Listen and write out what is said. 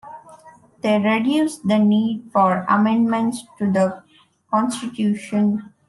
They reduce the need for amendments to the constitution.